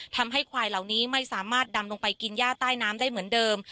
ทำให้ควายเหล่านี้ไม่สามารถดำลงไปกินย่าใต้น้ำได้เหมือนเดิม